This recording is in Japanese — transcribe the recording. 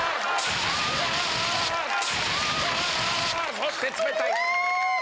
そして冷たい！